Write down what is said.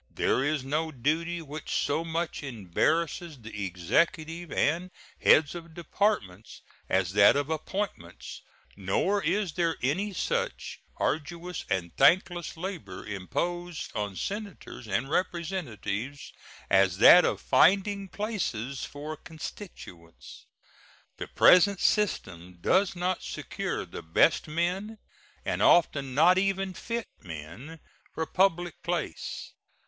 There is no duty which so much embarrasses the Executive and heads of Departments as that of appointments, nor is there any such arduous and thankless labor imposed on Senators and Representatives as that of finding places for constituents. The present system does not secure the best men, and often not even fit men, for public place.